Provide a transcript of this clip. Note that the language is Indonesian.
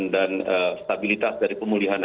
dan stabilitas dari pemulihan